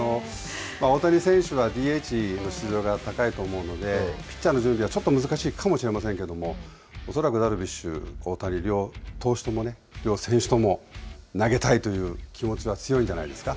大谷選手はＤＨの出場が高いと思うので、ピッチャーの準備はちょっと難しいかもしれませんけれども、恐らくダルビッシュ、大谷両投手ともね、両選手とも投げたいという気持ちは強いんじゃないんですか。